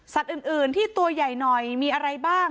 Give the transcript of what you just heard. อื่นที่ตัวใหญ่หน่อยมีอะไรบ้าง